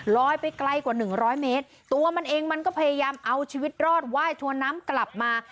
ลอยไปไกลกว่าหนึ่งร้อยเมตรตัวมันเองมันก็พยายามเอาชีวิตรอดไหว้ทวนน้ำกลับมา